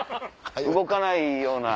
動かないような。